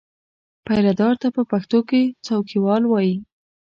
پیرهدار ته په پښتو کې څوکیوال وایي.